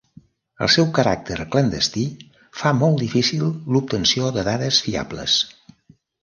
El seu caràcter clandestí fa molt difícil l'obtenció de dades fiables.